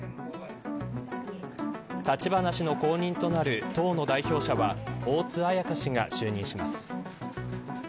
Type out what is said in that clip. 立花氏の後任となる党の代表者は大津綾香氏が就任します。